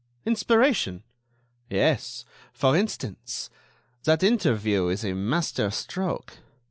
"Inspiration!" "Yes. For instance, that interview is a master stroke.